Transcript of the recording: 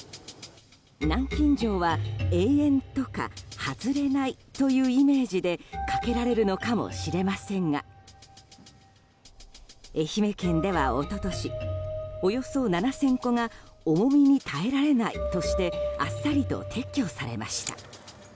南京錠は、永遠とか外れないというイメージでかけられるのかもしれませんが愛媛県では一昨年およそ７０００個が重みに耐えられないとしてあっさりと撤去されました。